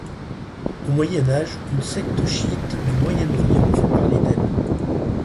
Au Moyen Âge, une secte chiite du Moyen-Orient fait parler d'elle.